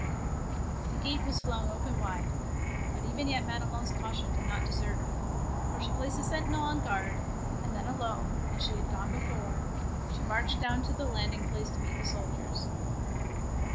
The gate was flung open wide, but even yet Madelon's caution did not desert her, for she placed a sentinel on guard, and then alone, as she had gone before, she marched down to the land ing place to meet the soldiers.